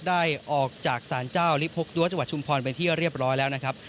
ได้ออกจากสารเจ้าลิพกดั้วจังหวัดชุมพรเป็นที่เรียบร้อยแล้วนะครับ